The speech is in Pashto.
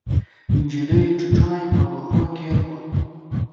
نجلۍ چوچوڼی پر وښو کېښود.